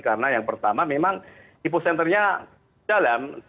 karena yang pertama memang hipocenternya dalam